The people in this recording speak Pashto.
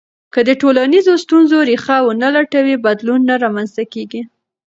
که د ټولنیزو ستونزو ریښه ونه لټوې، بدلون نه رامنځته کېږي.